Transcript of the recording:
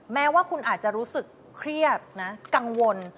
แม้ว่าคุณอาจจะรู้สึกเครียดนะกังวล